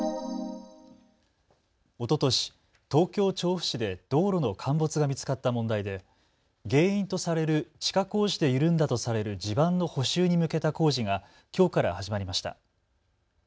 おととし、東京調布市で道路の陥没が見つかった問題で原因とされる地下工事で緩んだとされる地盤の補修に向けた工事がきょうから始まりました。